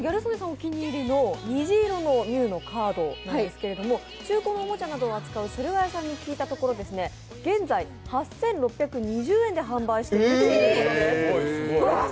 お気に入りの虹色のミュウのポケモンカードなんですけれども、中古のおもちゃなどを扱うお店で現在、８６２０円で販売しているということです。